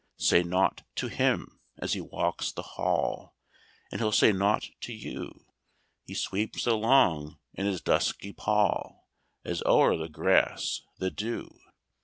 "Say nought to him as he walks the hall, And he'll say nought to you; He sweeps along in his dusky pall, As o'er the grass the dew.